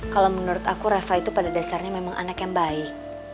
kalau menurut aku rafa itu pada dasarnya memang anak yang baik